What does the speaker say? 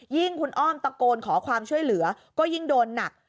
คุณอ้อมตะโกนขอความช่วยเหลือก็ยิ่งโดนหนัก